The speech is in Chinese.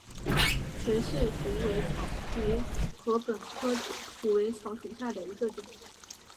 垂穗虎尾草为禾本科虎尾草属下的一个种。